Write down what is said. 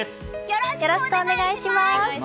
よろしくお願いします！